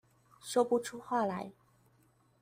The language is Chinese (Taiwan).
說不出話來